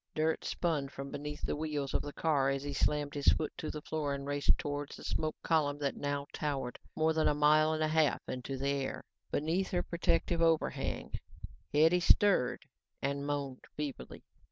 Dirt spun from beneath the wheels of the car as he slammed his foot to the floor and raced towards the smoke column that now towered more than a mile and a half into the air. Beneath her protective overhang, Hetty stirred and moaned feebly.